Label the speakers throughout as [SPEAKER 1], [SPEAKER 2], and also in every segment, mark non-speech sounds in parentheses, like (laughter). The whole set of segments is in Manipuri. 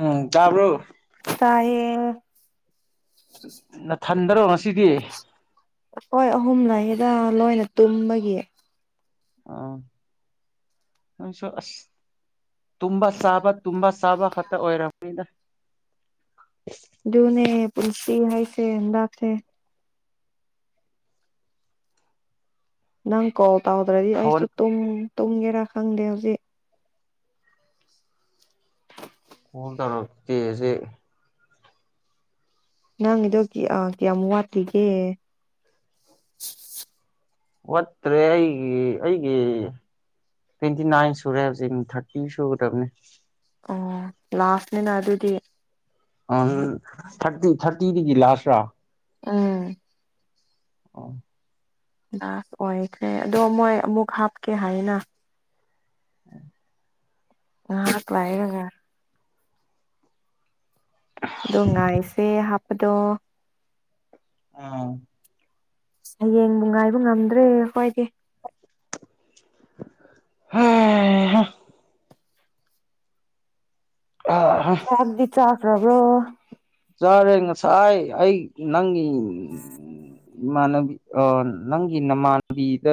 [SPEAKER 1] ꯎꯝ ꯇꯥꯕ꯭ꯔꯣ
[SPEAKER 2] ꯇꯥꯏꯌꯦ
[SPEAKER 1] ꯅꯊꯟꯗꯔꯣ ꯉꯁꯤꯗꯤ
[SPEAKER 2] ꯑꯈ‌ꯣꯏ ꯑꯍꯨꯝ ꯂꯩꯌꯦꯗ ꯂꯣꯏꯅ ꯇꯨꯝꯕꯒꯤ
[SPEAKER 1] ꯑꯣ ꯑꯩꯁꯨ ꯑꯁ ꯇꯨꯝꯕ ꯆꯥꯕ ꯇꯨꯝꯕ ꯆꯥꯕ ꯈꯛꯇ ꯑꯣꯏꯔꯝꯅꯤꯗ
[SPEAKER 2] ꯗꯨꯨꯅꯦ ꯄꯨꯟꯁꯤ ꯍꯥꯏꯁꯦ ꯍꯟꯗꯛꯁ‌ꯦ ꯅꯪ ꯀꯣꯜ ꯇꯧꯗ꯭ꯔꯗꯤ
[SPEAKER 1] ꯐꯣꯟ
[SPEAKER 2] ꯑꯩꯁꯨ ꯇꯨꯝ ꯇꯨꯝꯒꯦꯔꯥ ꯈꯪꯗꯦ ꯍꯧꯖꯤꯛ (unintelligible)
[SPEAKER 1] ꯀ‌ꯣꯜ ꯇꯧꯔꯛꯀꯦ ꯍꯖꯤꯛ
[SPEAKER 2] ꯅꯪꯒꯤꯗꯣ ꯀꯤ ꯑꯥ ꯀꯤꯌꯥꯝ ꯋꯥꯠꯂꯤꯒꯦ
[SPEAKER 1] ꯋꯥꯠꯇ꯭ꯔꯦ ꯑꯩꯒꯤ ꯑꯩꯒꯤ ꯇ꯭ꯋꯦꯟꯇꯤ ꯅꯥꯏꯟ ꯁꯨꯔꯦ ꯍꯧꯖꯤꯛ ꯊꯥꯔꯇꯤ ꯁꯨꯒꯗꯕꯅꯦ
[SPEAKER 2] ꯑꯣ ꯂꯥꯁꯅꯤꯅ ꯑꯗꯨꯗꯤ
[SPEAKER 1] ꯑꯣꯝ ꯊꯥꯔꯇꯤ ꯊꯥꯔꯇꯤꯗꯒꯤ ꯂꯥꯁꯔ
[SPEAKER 2] ꯎꯝ
[SPEAKER 1] ꯑꯣ
[SPEAKER 2] ꯂꯥꯁ ꯑꯣꯏꯈ꯭ꯔꯦ ꯑꯗꯣ ꯃꯣꯏ ꯑꯃꯨꯛ ꯍꯥꯞꯀꯦ ꯍꯥꯏꯅ ꯉꯥꯏꯍꯥꯛ ꯀ꯭ꯂꯥꯏꯔꯒꯦ ꯑꯗꯣ ꯉꯥꯏꯁꯦ ꯍꯥꯞꯄꯗꯣ꯫
[SPEAKER 1] (unintelligible)
[SPEAKER 2] ꯍꯌꯦꯡꯕꯨ ꯉꯥꯏꯕ ꯉꯝꯗ꯭ꯔꯦ ꯑꯈꯏꯗꯤ꯫
[SPEAKER 1] (unintelligible) (unintelligible)
[SPEAKER 2] ꯆꯥꯛꯗꯤ ꯆꯥꯛꯈ꯭ꯔꯕ꯭ꯔꯣ꯫
[SPEAKER 1] ꯆꯥꯔꯦ ꯉꯁꯥꯏ ꯑꯩ ꯅꯪꯒꯤ
[SPEAKER 2] (unintelligible)
[SPEAKER 1] ꯏꯃꯥꯟꯅꯕꯤ ꯑ ꯅꯪꯒꯤ ꯅꯃꯥꯟꯕꯤꯗ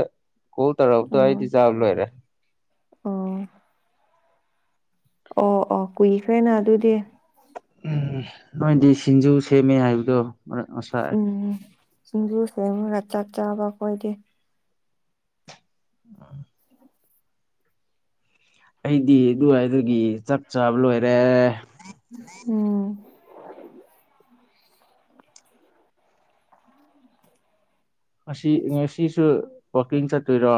[SPEAKER 1] ꯀꯣꯜ ꯇꯧꯔꯕꯗꯣ
[SPEAKER 2] ꯎꯝ
[SPEAKER 1] ꯑꯩꯗꯤ ꯆꯥꯕ ꯂꯣꯏꯔꯦ꯫
[SPEAKER 2] ꯑꯣ꯫ ꯑꯣ ꯑꯣ ꯀꯨꯏꯈ꯭ꯔꯦꯅ ꯑꯗꯨ
[SPEAKER 1] ꯎꯝ ꯅꯣꯏꯗꯤ ꯁꯤꯡꯖꯨ ꯁꯦꯝꯃꯦ ꯍꯥꯏꯕꯗꯣ꯫ ꯉꯁꯥꯏ
[SPEAKER 2] ꯎꯝ ꯁꯤꯡꯖꯨ ꯁꯦꯝꯔꯒ ꯆꯥꯛ ꯆꯥꯕ ꯑꯈꫭꯏꯏꯗꯤ꯫
[SPEAKER 1] (unintelligible) ꯑꯩꯗꯤ ꯑꯗꯨꯋꯥꯏꯗꯨꯒꯤ ꯆꯥꯛ ꯆꯥꯕ ꯂꯣꯏꯔꯦꯡ
[SPEAKER 2] (unintelligible)
[SPEAKER 1] ꯑꯁꯤ ꯉꯁꯤꯁꯨ ꯋꯥꯛꯀꯤꯡ ꯆꯠꯇꯣꯏꯔꯣ꯫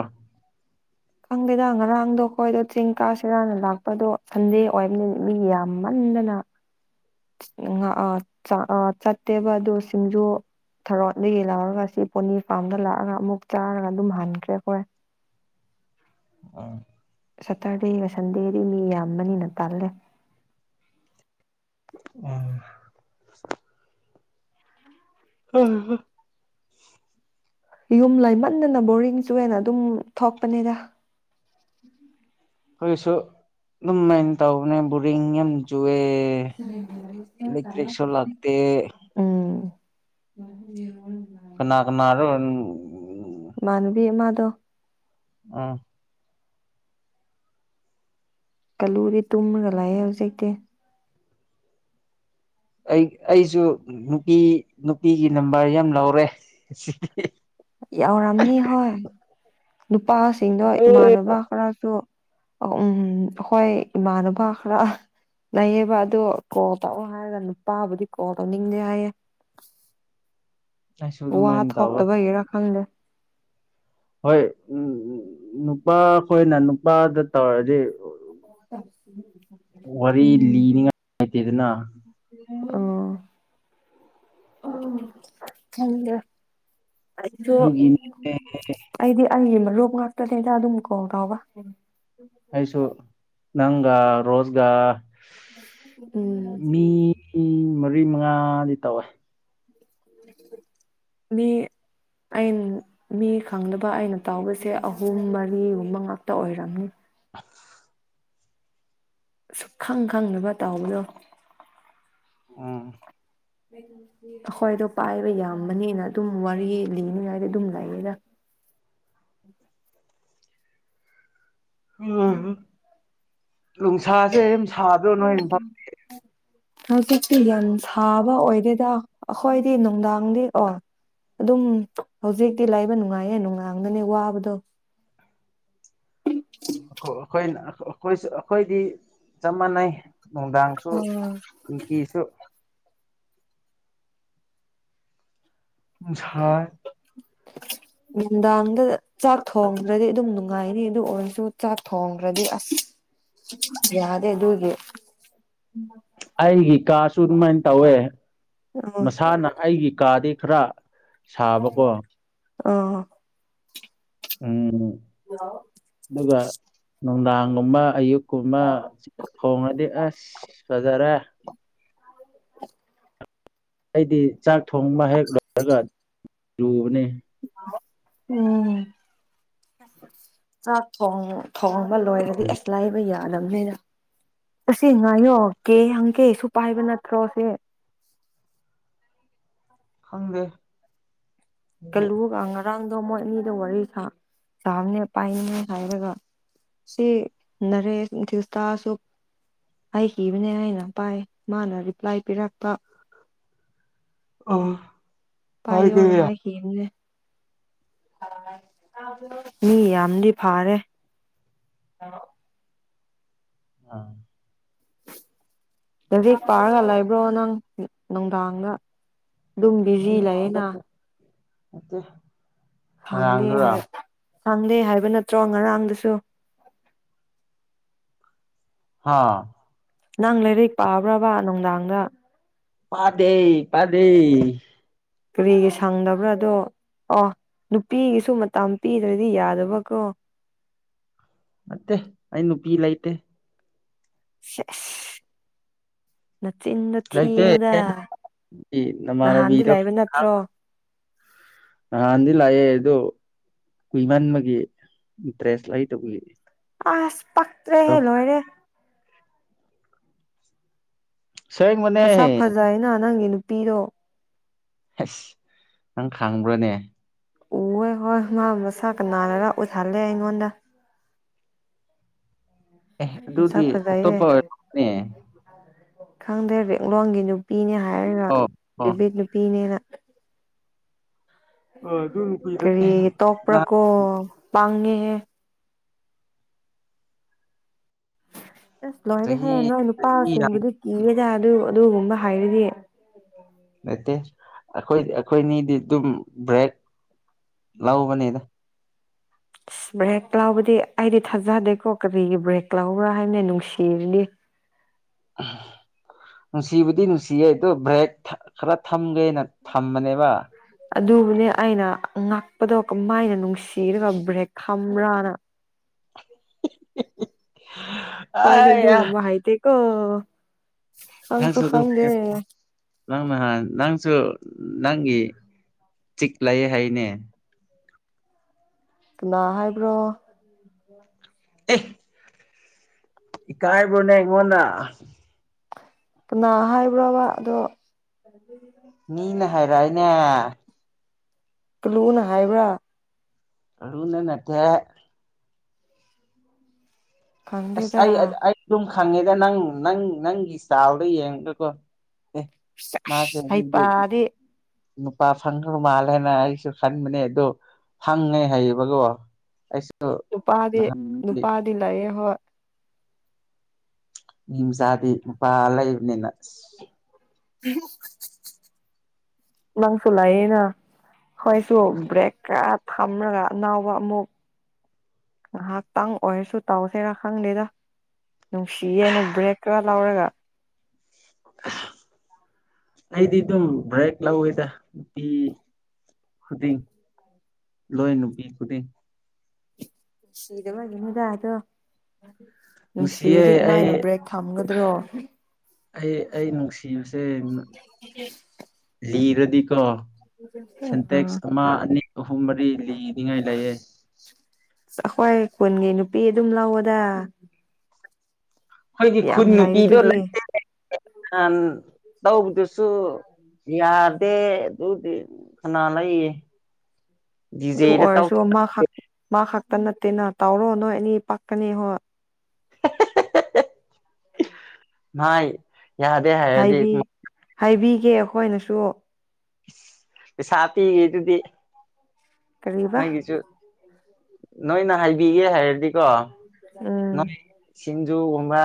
[SPEAKER 2] ꯈꯪꯗꯦꯗ ꯉꯔꯥꯡꯗꯣ ꯑꯩꯈꯣꯏꯗꯣ ꯆꯤꯡ ꯀꯥꯥꯁꯔꯥꯅ ꯂꯥꯛꯄꯗꯣ ꯁꯟꯗꯦ ꯑꯣꯏꯕꯅꯤꯅ ꯃꯤ ꯌꯥꯝꯃꯟꯗꯅ
[SPEAKER 1] (inaudible)
[SPEAKER 2] ꯉ ꯑ ꯆꯠꯇꯦꯕ ꯑꯗꯣ ꯁꯤꯡꯖꯨ ꯊꯔꯣꯠꯗꯒꯤ ꯂꯧꯔꯒ ꯁꯤ ꯄꯣꯅꯤ ꯐꯥꯔꯝꯗ ꯂꯥꯛꯑꯒ ꯑꯃꯨꯛ ꯆꯥꯔꯒ ꯑꯗꯨꯝ ꯍꯟꯈ꯭ꯔꯦ ꯑꯈꯣꯏ꯫
[SPEAKER 1] (unintelligible)
[SPEAKER 2] ꯁꯇꯔꯗꯦꯒ ꯁꯟꯗꯦꯗꯤ ꯃꯤ ꯌꯥꯝꯕꯅꯤꯅ ꯇꯥꯜꯂꯦ꯫
[SPEAKER 1] ꯎꯝ꯫ (unintelligible)
[SPEAKER 2] ꯌꯨꯝ ꯂꯩꯃꯟꯗꯅ ꯕꯣꯔꯤꯡ ꯆꯨꯋꯦꯅ ꯑꯗꯨꯝ ꯊꯣꯛꯄꯅꯤꯗ꯫
[SPEAKER 1] ꯈꯣꯏꯁꯨ ꯑꯗꯨꯝꯃꯥꯏꯅ ꯇꯧꯕꯅꯦ ꯕꯣꯔꯤꯡ ꯌꯥꯝ ꯆꯨꯋꯦ꯫ ꯏꯂꯦꯛꯇ꯭ꯔꯔꯤꯛꯁꯨ ꯂꯥꯛꯇꯦ꯫
[SPEAKER 2] ꯎꯝ (inaudible)
[SPEAKER 1] ꯀꯅꯥ ꯀꯅꯥꯔꫭ
[SPEAKER 2] ꯏꯃꯥꯅꯕꯤ ꯑꯃꯥꯗꫭ꯫
[SPEAKER 1] (unintelligible)
[SPEAKER 2] ꯀꯥꯂꯨꯗꯤ ꯇꯨꯝꯔꯒ ꯂꯩꯑꯦ ꯍꯧꯖꯤꯛꯇꯤ꯫
[SPEAKER 1] ꯑꯩ ꯑꯩꯁꯨ ꯅꯨꯄꯤ ꯅꯨꯄꯤꯒꯤ ꯅꯝꯕꯔ ꯌꯥꯝ ꯂꯧꯔꯦ꯫
[SPEAKER 2] ꯌꯥꯎꯔꯝꯅꯤ ꯍꯣꯏ ꯅꯨꯄꯥꯁꯤꯡꯗꯣ ꯏꯃꯥꯟꯅꯕ ꯈꯔꯁꯨ ꯎꯝ ꯑꯍꯣꯏ ꯏꯃꯥꯟꯅꯕ ꯈꯔ ꯂꯩꯌꯦꯕ ꯑꯗꯨ ꯀꯣꯜ ꯇꯧꯑꯣ ꯍꯥꯏꯔꯒ ꯅꯨꯄꯥꯕꯨꯗꯤ ꯀꯣꯜ ꯇꯧꯅꯤꯡꯗꯦ ꯍꯥꯏꯌꯦ꯫
[SPEAKER 1] ꯑꯩꯁꯨ
[SPEAKER 2] ꯋꯥ
[SPEAKER 1] ꯑꯗꯨꯃꯥꯏꯅ ꯇꯧꯕ
[SPEAKER 2] ꯊꯣꯛꯇꯕꯒꯤꯔꯥ ꯈꯪꯗꯦ꯫
[SPEAKER 1] ꯍꯣꯏ ꯎꯝ ꯅꯨꯄꯥꯈꯣꯏꯅ ꯅꯨꯄꯥꯗ ꯇꯧꯔꯗꯤ
[SPEAKER 2] (inaudible)
[SPEAKER 1] ꯋꯥꯔꯤ ꯂꯤꯅꯤꯉꯥꯏ ꯂꯩꯇꯦꯗꯅꯥ꯫
[SPEAKER 2] (inaudible) ꯑꯩꯗꫭ
[SPEAKER 1] ꯑꯗꯨꯒꯤꯅꯦ
[SPEAKER 2] ꯑꯩꯗꯤ ꯑꯩꯒꯤ ꯃꯔꯨꯞ ꯉꯥꯛꯇꯅꯦꯗ ꯑꯗꯨꯝ ꯀꯣꯜ ꯇꯧꯕ꯫
[SPEAKER 1] ꯑꯩꯁꯨ꯫ ꯅꯪꯒ ꯔꯣꯖꯒ
[SPEAKER 2] ꯎꯝ
[SPEAKER 1] ꯃꯤ ꯃꯔ ꯃꯔꯤ ꯃꯉꯥꯗꯤ ꯇꯧꯋꯦ
[SPEAKER 2] ꯃꯤ ꯑꯩ ꯃꯤ ꯈꯪꯗꯕ ꯑꯩꯅ ꯇꯧꯕꯁꯦ ꯑꯍꯨꯝ ꯃꯔꯤꯒꯨꯝꯕ ꯉꯥꯛꯇ ꯑꯣꯏꯔꯝꯃꯤ
[SPEAKER 1] ꯑ
[SPEAKER 2] ꯁꯨꯛ ꯈꯪ ꯈꯪꯗꯅꯕ ꯇꯧꯕꯗꯨ
[SPEAKER 1] ꯎꯝ
[SPEAKER 2] ꯑꯩꯈꯣꯏꯗꯣ ꯄꯥꯏꯕ ꯌꯥꯝꯕꯅꯤꯅ ꯑꯗꯨꯝ ꯋꯥꯔꯤ ꯂꯤꯅꯤꯉꯥꯏꯗꯤ ꯑꯗꯨꯝ ꯂꯩꯥꯛꯌꯦꯒ
[SPEAKER 1] ꯎꯝ ꯅꯨꯡꯁꯥꯁꯦ ꯑꯗꯨꯝ ꯁꯥꯗ꯭ꯔꯣ ꯅꯣꯏ ꯏꯝꯐꯥꯜꯒꯤ
[SPEAKER 2] ꯍꯧꯖꯤꯛꯇꯤ ꯌꯥꯝ ꯁꯥꯕ ꯑꯣꯏꯗꯦꯗ ꯑꯩꯈꯣꯏꯗꯤ ꯅꯨꯡꯗꯥꯡꯗꯤ ꯑꯣ ꯑꯗꯨꯝ ꯍꯧꯖꯤꯛꯇꯤ ꯂꯩꯕ ꯅꯨꯡꯉꯥꯏꯌꯦ ꯅꯨꯡꯗꯥꯡꯗꯅꯤ ꯋꯥꯕꯗꯣ
[SPEAKER 1] ꯑꯩꯈꯣꯏ ꯑꯩꯈꯣꯏꯗꯤ ꯆꯞ ꯃꯥꯟꯅꯩ ꯅꯨꯡꯗꯥꯡꯁꯨ
[SPEAKER 2] ꯑꯣ
[SPEAKER 1] ꯅꯨꯡꯊꯤꯜꯁꯨ ꯁꯥꯏ
[SPEAKER 2] ꯅꯨꯡꯗꯥꯡꯗ ꯆꯥꯛ ꯊꯣꯡꯗ꯭ꯔꯗꯤ ꯑꯗꯨꯝ ꯅꯨꯡꯉꯥꯏꯅꯤ ꯑꯗꯨ ꯑꯣꯏꯔꯁꯨ ꯆꯥꯛ ꯊꯣꯡꯗ꯭ꯔꯗꯤ ꯑꯁ ꯌꯥꯗꯦ ꯑꯗꯨꯒꯤ
[SPEAKER 1] ꯑꯩꯒꯤ ꯀꯥꯁꯨ ꯑꯗꯨꯃꯥꯏꯅ ꯇꯧꯋꯦ
[SPEAKER 2] ꯎꯝ
[SPEAKER 1] ꯃꯁꯥꯅ ꯑꯩꯒꯤ ꯀꯥꯗꯤ ꯈꯔ ꯁꯥꯕꯀꯣ
[SPEAKER 2] ꯑ
[SPEAKER 1] ꯎꯝ
[SPEAKER 2] ꯍꯂ‌ꯣ
[SPEAKER 1] ꯑꯗꯨꯒ ꯅꯨꯡꯗꯥꯡꯒꯨꯝꯕ ꯑꯌꯨꯛꯀꯨꯝꯕ ꯊꯣꯡꯉꯗꯤ ꯑꯁ ꯐꯖꯔ‌ꯦ
[SPEAKER 2] (inaudible)
[SPEAKER 1] ꯑꯩꯗꯤ ꯆꯥꯛ ꯊꯣꯡꯕ ꯍꯦꯛ ꯂꯣꯏꯔꯒ ꯔꯨꯕꯅꯤ
[SPEAKER 2] ꯎꯝ ꯆꯥꯛ ꯊ‌ꯣꯡ ꯊꯣꯡꯕ ꯂꯣꯏꯔꯗꯤ ꯑꯁ ꯂꯥꯏꯕ ꯌꯥꯅꯕꯅꯤꯅ ꯑꯁꯤ ꯉꯥꯏꯌꯣ ꯀꯦ ꯍꯪꯀꯦ ꯁꯨ ꯄꯥꯏꯕ ꯅꯠꯇ꯭ꯔꯣ ꯁꯤꯦ
[SPEAKER 1] ꯈꯪꯗꯦ
[SPEAKER 2] ꯀꯜꯂꯨꯒ ꯉꯔꯥꯡꯗꯣ ꯃꯣꯏ ꯑꯃꯤꯗ‌ꯣ ꯋꯥꯔꯤ ꯁꯥꯥꯕꯅꯦ ꯄꯥꯏꯅꯤꯡꯉ‌ꯦ ꯍꯥꯏꯔꯒ ꯁꯤ ꯅꯔꯦ ꯊꯁꯇꯁꯨ ꯑꯩ ꯀꯤꯕꯅꯦ ꯍꯥꯏꯅ ꯄꯥꯏ ꯃꯥꯅ ꯔꯤꯄ꯭ꯂꯥꯏ ꯄꯤꯔꯛꯄ
[SPEAKER 1] ꯑꯣ
[SPEAKER 2] ꯄꯥꯏ ꯑꯣꯅ ꯍꯥꯏꯈꯤꯕꯅ‌ꯦ ꯃꯤ ꯌꯥꯝꯗꯤ ꯐꯥꯔꯦ
[SPEAKER 1] ꯑꯥ
[SPEAKER 2] ꯂꯥꯏꯔꯤꯛ ꯄꯥꯔꯒ ꯂꯩꯕ꯭ꯔꯣ ꯅꯪ ꯅꯨꯡꯗꯥꯡꯗ ꯑꯗꯨꯝ ꯕꯤꯖꯤ ꯂꯩꯌꯦꯅ
[SPEAKER 1] (unintelligible)
[SPEAKER 2] ꯍꯥꯡꯗꯦ
[SPEAKER 1] ꯉꯔꯥꯡꯗꯨꯔꯥ
[SPEAKER 2] ꯍꯥꯏ ꯍꯥꯡꯗꯦ ꯍꯥꯏꯕ ꯅꯠꯇ꯭ꯔꯣ ꯉꯔꯥꯡꯗꯁꯨ
[SPEAKER 1] ꯍꯥꯥ
[SPEAKER 2] ꯅꯪ ꯂꯥꯏꯔꯛ ꯄꯥꯕ꯭ꯔꯕ ꯅꯨꯡꯗꯥꯡꯗ
[SPEAKER 1] ꯄꯥꯗ‌ꯦ ꯄꯥꯗ‌ꯦ
[SPEAKER 2] ꯀꯔꯤꯒꯤ ꯁꯪꯗꯕ꯭ꯔꯥ ꯑꯗꯣ ꯑꯣ ꯅꯨꯄꯤꯒꯤꯁꯨ ꯃꯇꯝ ꯄꯤꯗ꯭ꯔꯗꯤ ꯌꯥꯗꯕꯀ꯭ꯔꯣ
[SPEAKER 1] ꯃꯠꯇꯦ ꯑꯩ ꯅꯨꯄꯤ ꯂꯩꯇꯦ
[SPEAKER 2] ꯁ ꯅꯆꯤꯟꯗ‌ꯣ
[SPEAKER 1] ꯂꯩꯇꯦ
[SPEAKER 2] ꯊꯤꯅꯨꯗ ꯅꯍꯥꯟꯗꯤ
[SPEAKER 1] ꯅꯃꯥꯟꯅꯕꯤꯗꯣ
[SPEAKER 2] ꯂꯩꯕ ꯅꯠꯇ꯭ꯔꯣ
[SPEAKER 1] ꯅꯍꯥꯟꯗꯤ ꯂꯥꯛꯑꯦ ꯑꯗꯣ ꯀꯨꯏꯃꯟꯕꯒꯤ ꯏꯟꯇꯔꯦꯁ ꯂꯥꯛ ꯇꯧꯕ
[SPEAKER 2] ꯑꯁ ꯄꯛꯇ꯭ꯔꯦꯍꯦ ꯂꯣꯏꯔꯦ
[SPEAKER 1] ꯑꯁꯦꯡꯕꯅꯦ
[SPEAKER 2] ꯃꯁꯛ ꯐꯖꯩꯌꯦꯅ ꯅꯪꯒꯤ ꯅꯨꯄꯤꯗꯣ
[SPEAKER 1] ꯍꯩꯁ ꯅꯪ ꯈꯪꯕ꯭ꯔꯥꯅꯦ
[SPEAKER 2] ꯎꯋꯦ ꯍꯣꯏ ꯃꯥ ꯃꯁꯥ ꯀꯅꯥꯔꯔ ꯎꯠꯍꯜꯂꯦ ꯑꯩꯉꯣꯟꯗ
[SPEAKER 1] ꯑꯦ ꯑꯗꯨꯗꯤ
[SPEAKER 2] ꯃꯁꯛ
[SPEAKER 1] ꯑꯇꯣꯞꯄ
[SPEAKER 2] ꯐꯖꯩꯌꯦ
[SPEAKER 1] ꯑꯣꯏꯅꯤ
[SPEAKER 2] ꯈꯪꯗꯦ ꯔꯦꯛꯂꯣꯡꯒꯤ ꯅꯨꯄꯤꯅꯦ ꯍꯥꯏꯔꯒ
[SPEAKER 1] ꯑꯣ ꯑꯣ
[SPEAKER 2] ꯗꯦꯕꯤꯠ ꯅꯨꯄꯤꯅꯦꯅ
[SPEAKER 1] ꯑ ꯑꯗꯨ ꯅꯨꯄꯤꯗ
[SPEAKER 2] ꯀꯔꯤꯒꯤ
[SPEAKER 1] ꯅꯍꯥꯟ
[SPEAKER 2] ꯇꯣꯄ꯭ꯔꯥꯀꯣ ꯄꯥꯉꯦ ꯍꯦ ꯑꯁ ꯂꯣꯏꯔꯦꯍꯦ
[SPEAKER 1] ꯆꯍꯤ
[SPEAKER 2] ꯅꯣꯏ
[SPEAKER 1] ꯆꯍꯤ ꯌꯥꯝ
[SPEAKER 2] ꯅꯨꯄꯥꯁꯤꯡꯕꯨꯗꯤ ꯀꯤꯔꯦꯗꯥ ꯑꯗꯨ ꯑꯗꯨꯒꯨꯝꯕ ꯍꯥꯏꯔꯤꯗꯤ
[SPEAKER 1] ꯅꯠꯇꯦ ꯑꯩꯈꯣꯏ ꯑꯩꯈꯣꯏꯅꯤꯗꯤ ꯑꯗꯨꯝ ꯕ꯭ꯔꯦꯛ ꯂꯧꯕꯅꯤꯗ
[SPEAKER 2] ꯑꯁ ꯕ꯭ꯔꯦꯛ ꯂꯥꯎꯕꯗꯤ ꯑꯩꯗꯤ ꯊꯥꯖꯗꯦꯀꯣ ꯀꯔꯤꯒꯤ ꯕ꯭ꯔꯦꯛ ꯂꯥꯎꯕ꯭ꯔꯥ ꯍꯥꯏꯅ ꯅꯨꯡꯁꯤꯔꯗꯤ
[SPEAKER 1] (unintelligible) ꯅꯨꯡꯁꯤꯕꯨꯗꯤ ꯅꯨꯡꯁꯤꯌꯦ ꯑꯗꯣ ꯕ꯭ꯔꯦꯛ ꯊꯥ ꯈꯔ ꯊꯝꯒꯦꯅ ꯊꯝꯕꯅꯦꯕ
[SPEAKER 2] ꯑꯗꯨꯕꯨꯅꯦ ꯑꯩꯅ ꯉꯥꯛꯄꯗꯣ ꯀꯃꯥꯏꯅ ꯅꯨꯡꯁꯤꯔꯒ ꯕ꯭ꯔꯦꯛ ꯊꯝꯕ꯭ꯔꯥꯅ
[SPEAKER 1] (unintelligible)
[SPEAKER 2] ꯈꯣꯏꯗꯤ ꯑꯗꯨꯒꯨꯝꯕ ꯍꯥꯏ ꯇꯦ ꯀꯣ
[SPEAKER 1] ꯅꯪꯁꯨ ꯑꯗꯨ ꯀꯠ__ ꯅꯪ ꯅꯍꯥꯟ ꯅꯪꯁꯨ ꯅꯪꯒꯤ ꯆꯤꯛꯂꯩꯌꯦ ꯍꯥꯏꯅꯦ
[SPEAKER 2] ꯀꯅꯥ ꯍꯥꯏꯕ꯭ꯔꯣ ꯎꯝ (unintelligible)
[SPEAKER 1] ꯑꯦ ꯏꯀꯥꯏꯕ꯭ꯔꯣꯅꯦ ꯑꯩꯉꯣꯟꯅ
[SPEAKER 2] ꯀꯅꯥ ꯍꯥꯏꯕ꯭ꯔꯣꯕ ꯑꯗꯣ ꯕꯅꯤꯗ
[SPEAKER 1] ꯃꯤꯅ ꯍꯥꯏꯔꯛꯏꯅꯦ
[SPEAKER 2] ꯀꯂꯨꯅ ꯍꯥꯏꯕ꯭ꯔꯥ
[SPEAKER 1] ꯀꯂꯨꯅ ꯅꯠꯇꯦ ꯑꯁ
[SPEAKER 2] ꯈꯪꯗꯦꯗ
[SPEAKER 1] ꯑꯩ ꯑꯥ ꯑꯩ ꯑꯗꯨꯝ ꯈꯪꯉꯦꯗ ꯅꯪ ꯅꯪ ꯅꯪꯒꯤ ꯁꯇꯥꯢꯜꯗꯣ ꯌꯦꯡꯔꯀꯣ ꯑꯦ ꯃꯥꯁꯨꯑꯗꯨꯗꯤ
[SPEAKER 2] ꯍꯩꯄꯥꯗꯤ
[SPEAKER 1] ꯅꯨꯄꯥ ꯐꯪꯈ꯭ꯔꯕ ꯃꯥꯜꯂꯦꯅ ꯑꯩꯁꯨ ꯈꯟꯕꯅꯦ ꯑꯗꯨ ꯍꯪꯉꯦ ꯍꯥꯏꯌꯦꯕꯒꯣ ꯑꯩꯁ__
[SPEAKER 2] ꯅꯨꯄꯥꯗꯤ ꯅꯨꯄꯥꯗꯤ ꯂꯩꯌꯦ ꯍꯣꯏ
[SPEAKER 1] ꯃꯤ ꯃꯆꯥꯗꯤ ꯅꯨꯄꯥ ꯂꯩꯕꯅꯤꯅ ꯑꯁ
[SPEAKER 2] ꯅꯡꯁꯨ ꯂꯥꯏꯌꯦꯅ ꯍꯣꯏꯁꯨ ꯕ꯭ꯔꯦꯛ ꯈꯔ ꯊꯝꯔꯒ ꯑꯅꯧꯕ ꯑꯃꯨꯛ ꯉꯥꯍꯥꯛꯇꯪ ꯑꯣꯏꯔꯁꯨ ꯇꯧꯁꯦꯔꯥ ꯈꯪꯗꯦꯗ ꯅꯨꯡꯁꯤꯌꯦꯅ ꯕ꯭ꯔꯦꯛ ꯈꯔ ꯂꯧꯔꯒ
[SPEAKER 1] (unintelligible) ꯑꯩꯗꯤ ꯑꯗꯨꯝ ꯕ꯭ꯔꯦꯛ ꯂꯧꯋꯤꯗ ꯅꯨꯄꯤ ꯈꯨꯗꯤꯡ ꯂꯣꯏ ꯅꯨꯄꯤ ꯈꯨꯗꯤꯡ
[SPEAKER 2] ꯁꯤꯗꯕꯒꯤ ꯅꯤꯗꯥ ꯑꯗꯣ
[SPEAKER 1] ꯅꯨꯡꯁꯤꯌꯦ
[SPEAKER 2] ꯅꯨꯡꯁꯤꯔꯗꯤ
[SPEAKER 1] ꯑꯩ
[SPEAKER 2] ꯀꯃꯥꯏꯅ ꯕ꯭ꯔꯦꯛ ꯊꯝꯒꯗ꯭ꯔꯣ
[SPEAKER 1] ꯑꯩ ꯑꯩ ꯅꯨꯡꯁꯤꯕꯁꯦ ꯅ ꯂꯤꯔꯗꯤꯀꯣ
[SPEAKER 2] ꯑ
[SPEAKER 1] ꯁꯦꯟꯇꯦꯛꯁ ꯑꯃ ꯑꯅꯤ ꯑꯍꯨꯝ ꯃꯔꯤ ꯂꯤꯅꯤꯉꯥꯏ ꯂꯩꯌꯦ
[SPEAKER 2] ꯑꯁ ꯑꯩꯈꯣꯏ ꯀꯨꯟꯒꯤ ꯅꯨꯄꯤ ꯑꯗꯨꯝ ꯂꯧꯑꯣꯗ
[SPEAKER 1] ꯑꯩꯈꯣꯏꯒꯤ ꯈꯨꯟ
[SPEAKER 2] ꯌꯥꯝ
[SPEAKER 1] ꯅꯨꯄꯤꯗꯣ
[SPEAKER 2] ꯂꯩꯗꯨꯗꯤ
[SPEAKER 1] ꯂꯩꯅꯦ ꯅꯍꯥꯟ ꯇꯧꯕꯗꯨꯁꯨ ꯌꯥꯗꯦ ꯑꯗꯨꯗꯤ ꯀꯅꯥ ꯂꯩꯌꯦ
[SPEAKER 2] ꯑꯗꯨ
[SPEAKER 1] ꯗꯤꯖꯦꯗ
[SPEAKER 2] ꯑꯣꯏꯔꯁꯨ
[SPEAKER 1] ꯇꯧꯁꯤ
[SPEAKER 2] ꯃꯥ ꯈꯛ ꯃꯥ ꯈꯛꯇ ꯅꯠꯇꯦꯅ ꯇꯥꯎꯔꯣ ꯅꯣꯏ ꯑꯅꯤ ꯄꯥꯛꯀꯅꯤ ꯍꯣꯏ (unintelligible)
[SPEAKER 1] ꯅꯥꯏ ꯌꯥꯗꯦ ꯍꯥꯏ
[SPEAKER 2] ꯍꯥꯏꯕꯤ ꯍꯥꯏꯕꯤꯒꯦ ꯑꯩꯈꯣꯏꯅꯁꯨ
[SPEAKER 1] ꯄꯩꯁꯥꯄꯤꯒꯤꯗꯨꯗꯤ
[SPEAKER 2] ꯀꯔꯤꯕ
[SPEAKER 1] ꯅꯣꯏꯒꯤꯁꯨ ꯅꯣꯏꯅ ꯍꯥꯏꯕꯤꯒꯦ ꯍꯥꯏꯔꯗꯤꯀꯣ
[SPEAKER 2] ꯎꯝ
[SPEAKER 1] ꯅ ꯁꯤꯡꯟꯖꯨ ꯒꯨꯝꯕꯥ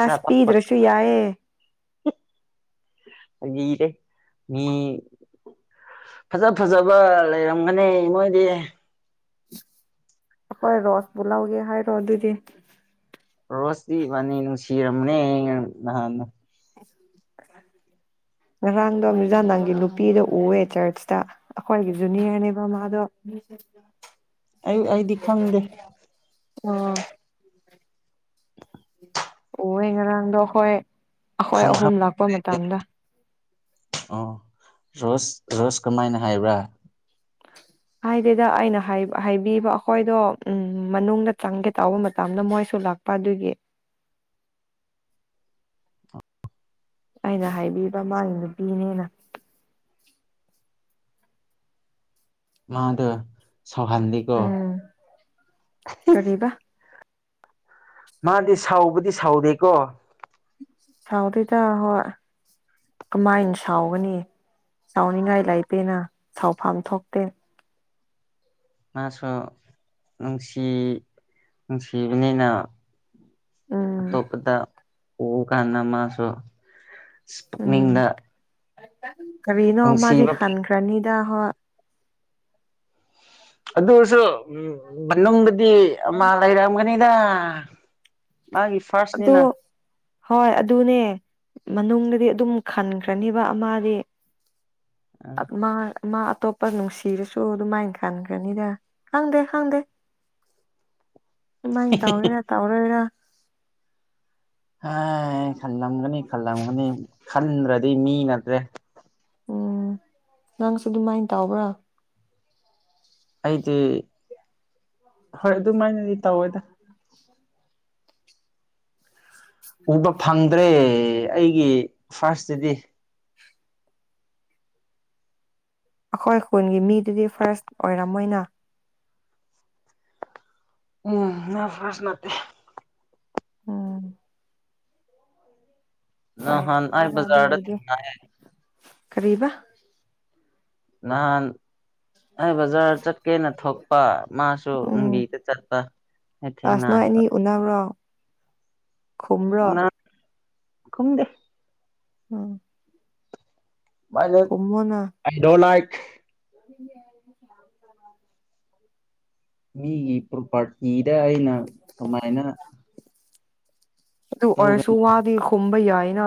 [SPEAKER 2] ꯑꯦꯁ ꯄꯤꯗ꯭ꯔꯁꯨ ꯌꯥꯏꯑꯌꯦ
[SPEAKER 1] ꯂꯤꯗꯦꯂꯤ ꯐꯖ ꯐꯖꯕ ꯂꯩꯔꯝꯒꯅꯤ ꯃꯣꯏꯗꯤ
[SPEAKER 2] ꯑꯩꯈꯣꯏ ꯔꯣꯁꯄꯨ ꯂꯧꯒꯦ ꯍꯥꯏꯔꯣ ꯑꯗꯨꯗꯤ
[SPEAKER 1] ꯔꯣꯁꯇꯤꯕꯥꯅꯤ ꯅꯨꯡꯁꯤꯔꯝꯕꯅꯦ ꯅꯍꯥꯟꯗ
[SPEAKER 2] ꯉꯔꯥꯡꯗꯣ ꯃꯤꯖꯥꯗꯥꯡꯒꯤ ꯅꯨꯄꯤꯗ ꯎꯑꯦ ꯆꯔꯆꯇ ꯑꯩꯈꯣꯏꯒꯤ ꯖꯨꯅꯤꯌꯔꯅꯦꯕ ꯃꯥꯥꯗꯣ
[SPEAKER 1] ꯑꯌꯨꯛ ꯑꯩꯗꯤ ꯈꯪꯗꯦ
[SPEAKER 2] ꯑꯣ ꯑꯣꯌꯦ ꯉꯔꯥꯡꯗꯣ ꯈꯣꯏ
[SPEAKER 1] ꯈꯪꯈ꯭ꯔꯕ ꯑꯣ ꯔꯣꯁ ꯔꯣꯁ ꯀꯃꯥꯏꯅ ꯍꯥꯏꯕ꯭ꯔꯥ
[SPEAKER 2] ꯍꯥꯏꯗꯦꯗ ꯑꯩꯅ ꯍꯥꯏ ꯍꯥꯏꯕꯤꯕ ꯑꯈꯣꯏꯗꯣ ꯎꯝ ꯃꯅꯨꯡꯗ ꯆꯪꯒꯦ ꯇꯧꯕ ꯃꯇꯝꯗ ꯃꯣꯏꯁꯨ ꯂꯥꯛ ꯄꯥꯗꯨꯒꯤ ꯑꯩꯅ ꯍꯥꯏꯕꯤꯕ ꯃꯥꯒꯤ ꯅꯨꯄꯤꯅꯤꯅ
[SPEAKER 1] ꯃꯥꯗ ꯁꯥꯎꯍꯥꯜꯂꯤꯀꯣ
[SPEAKER 2] ꯎꯝ ꯀꯔꯤꯕ
[SPEAKER 1] ꯃꯥꯗꯤ ꯁꯥꯎꯕꯗꯤ ꯁꯥꯎꯗꯦꯀꯣ
[SPEAKER 2] ꯁꯥꯎꯗꯦꯗ ꯍꯣꯏ ꯀꯃꯥꯏꯅ ꯁꯥꯎꯒꯅꯤ ꯁꯥꯎꯅꯤꯡꯉꯥꯏ ꯂꯥꯏꯇꯦꯅ ꯁꯥꯎꯐꯝ ꯊꯣꯛꯇꯦ
[SPEAKER 1] ꯃꯥꯁꯨ ꯅꯨꯡꯁꯤ ꯅꯨꯡꯁꯤꯕꯅꯤꯅ
[SPEAKER 2] ꯎꯝ
[SPEAKER 1] ꯑꯇꯣꯞꯄꯗ ꯑꯣ ꯀꯥꯟꯅꯥ ꯃꯥꯁꯨ ꯁ
[SPEAKER 2] ꯎꯝ
[SPEAKER 1] ꯄꯨꯛꯅꯤꯡꯗ
[SPEAKER 2] ꯀꯔꯤꯅꯣ ꯃꯥꯗꯤ
[SPEAKER 1] ꯅꯨꯡꯁꯤꯕ
[SPEAKER 2] ꯍꯥꯟꯈ꯭ꯔꯅꯤꯗ ꯍꯣꯏ
[SPEAKER 1] ꯑꯗꯨꯁꯨ ꯎ ꯃꯅꯨꯡꯗꯗꯤ ꯑꯃ ꯂꯩꯔꯝꯒꯅꯤꯗ ꯃꯥꯒꯤ
[SPEAKER 2] ꯑꯗꯣ
[SPEAKER 1] ꯐꯥꯔꯁꯅꯤꯅ
[SPEAKER 2] ꯍꯣꯏ ꯑꯗꯨꯅꯦ ꯃꯅꯨꯡꯗꯗꯤ ꯑꯗꯨꯝ ꯈꯟꯈ꯭ꯔꯅꯦꯕ ꯃꯗꯤ ꯑꯠ ꯃꯥ ꯃꯥ ꯑꯇꯣꯞꯄ ꯅꯨꯡꯁꯤꯔꯁꯨ ꯑꯗꯨꯃꯥꯏꯅ ꯈꯟꯈ꯭ꯔꯅꯤꯗ ꯈꯪꯗꯦ ꯈꯪꯗꯦ
[SPEAKER 1] (unintelligible)
[SPEAKER 2] ꯑꯗꯨꯃꯥꯏ ꯇꯧꯔꯤꯔ ꯇꯧꯔꯣꯏꯔ
[SPEAKER 1] ꯍꯥꯏ ꯈꯜꯂꯝꯒꯅꯤ ꯈꯜꯂꯝꯒꯅꯤ ꯈꯟꯗ꯭ꯔꯗꯤ ꯃꯤ ꯅꯠꯇ꯭ꯔꯦ
[SPEAKER 2] ꯎꯝ ꯅꯪꯁꯨ ꯑꯗꯨꯃꯥꯏꯅ ꯇꯧꯕ꯭ꯔꯥ
[SPEAKER 1] ꯑꯩꯗꯤ ꯍꯣꯏ ꯑꯗꯨꯃꯥꯏꯅꯗꯤ ꯇꯧꯋꯦꯗ
[SPEAKER 2] (unintelligible)
[SPEAKER 1] ꯎꯕ ꯐꯪꯗ꯭ꯔꯦ ꯑꯩꯒꯤ ꯐꯥꯔꯁꯇꯗꯤ
[SPEAKER 2] ꯑꯈꯣꯏ ꯈꯨꯟꯒꯤ ꯃꯤꯗꯨꯗꯤ ꯐꯥꯔꯁ ꯑꯣꯏꯔꯝꯃꯣꯏꯅ
[SPEAKER 1] ꯎꯝ ꯅ ꯐꯔꯁ ꯅꯠꯇꯦ
[SPEAKER 2] ꯎꯝ
[SPEAKER 1] ꯅꯍꯟ ꯑꯩ
[SPEAKER 2] ꯑꯣꯏꯔꯝꯃꯣꯏꯕ
[SPEAKER 1] ꯕꯥꯖꯔ
[SPEAKER 2] ꯑꯗꯨꯕꯨꯗꯤ
[SPEAKER 1] ꯊꯦꯡꯅꯩꯌꯦ
[SPEAKER 2] ꯀꯔꯤꯕ
[SPEAKER 1] ꯅꯍꯥꯟ ꯑꯩ ꯕꯖꯥꯔ ꯆꯠꯀꯦꯅ ꯊꯣꯛꯄ ꯃꯥꯁꯨ
[SPEAKER 2] ꯎꯝ
[SPEAKER 1] ꯂꯝꯕꯤꯗ ꯆꯠꯄ
[SPEAKER 2] ꯑꯁ ꯅꯣꯏ
[SPEAKER 1] ꯊꯦꯡꯅꯕ
[SPEAKER 2] ꯑꯅꯤ ꯎꯅꯕ꯭ꯔꯣ ꯈꯨꯝꯕ꯭ꯔꯣ
[SPEAKER 1] ꯈꯨꯝꯗꯦ
[SPEAKER 2] ꯑꯣ
[SPEAKER 1] ꯃꯥꯏ ꯂꯐ
[SPEAKER 2] ꯈꯨꯝꯃꯣꯅ
[SPEAKER 1] ꯑꯥꯏ ꯗꯣꯟ ꯂꯥꯏꯛ
[SPEAKER 2] (inaudible)
[SPEAKER 1] ꯃꯤꯒꯤ ꯄ꯭ꯔꯣꯄꯥꯔꯇꯤꯗ ꯑꯩꯅ ꯀꯃꯥꯏꯅ
[SPEAKER 2] ꯑꯗꯨ
[SPEAKER 1] ꯇꯧꯒꯅꯤ
[SPEAKER 2] ꯑꯣꯏꯔꯁꯨ ꯋꯥꯗꯤ ꯈꯨꯝꯕ ꯌꯥꯏꯅ